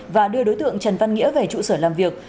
và đưa đối tượng trần văn nghĩa về trụ sở làm việc